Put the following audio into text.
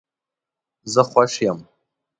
زه خوش یم